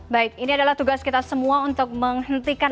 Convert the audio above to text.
baik ini adalah tugas kita semua untuk menghentikan